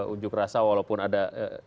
ujuk rasa walaupun ada